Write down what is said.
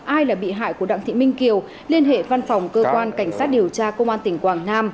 ai là bị hại của đặng thị minh kiều liên hệ văn phòng cơ quan cảnh sát điều tra công an tỉnh quảng nam